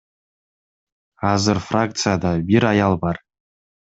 Азыр фракцияда бир аял бар.